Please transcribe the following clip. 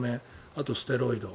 あと、ステロイド。